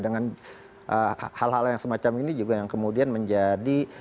dengan hal hal yang semacam ini juga yang kemudian menjadi